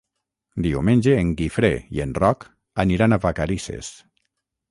Diumenge en Guifré i en Roc aniran a Vacarisses.